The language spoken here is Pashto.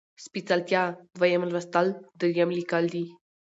سپېڅلتيا ، دويم لوستل ، دريم ليکل دي